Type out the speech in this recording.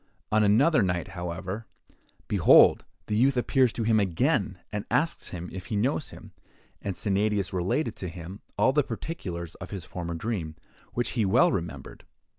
On another night, however, behold! the youth appears to him again, and asks him if he knows him; and Sennadius related to him all the particulars of his former dream, which he well remembered.